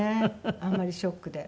あんまりショックで。